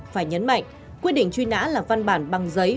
phải nhấn mạnh quyết định truy nã là văn bản bằng giấy